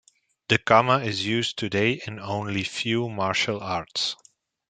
The kama is used today in only few martial arts.